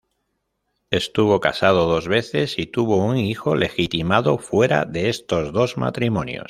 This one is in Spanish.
Estuvo casado dos veces y tuvo un hijo legitimado fuera de estos dos matrimonios.